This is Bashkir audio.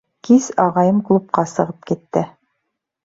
Кис ағайым клубҡа сығып китте.